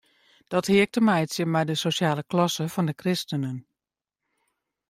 Dat hie ek te meitsjen mei de sosjale klasse fan de kristenen.